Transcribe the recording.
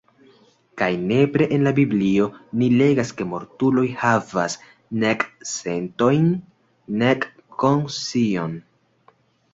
Kaj nepre en la Biblio ni legas ke mortulo havas nek sentojn nek konscion.